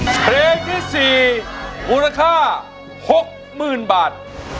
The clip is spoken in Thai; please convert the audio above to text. เพลงที่๔มูลค่า๖๐๐๐บาท